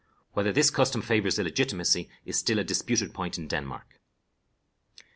Whether this custom favors illegitimacy is still a disputed point in Denmark.